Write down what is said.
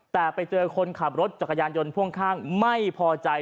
แต่ไปเจอคนขับรถจักรยานยนต์พ่วงข้างไม่พอใจ